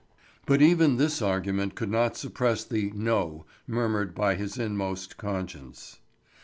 But even this argument could not suppress the "No" murmured by his inmost conscience.